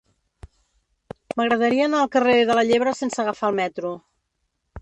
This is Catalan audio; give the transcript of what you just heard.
M'agradaria anar al carrer de la Llebre sense agafar el metro.